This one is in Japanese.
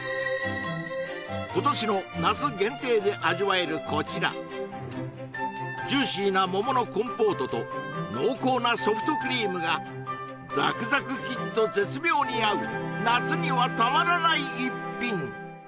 今年の夏限定で味わえるこちらジューシーな桃のコンポートと濃厚なソフトクリームがザクザク生地と絶妙に合う夏にはたまらない一品